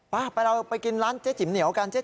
ไปเราไปกินร้านเจ๊จิ๋มเหนียวกันเจ๊